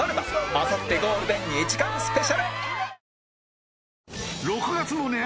あさってゴールデン２時間スペシャル！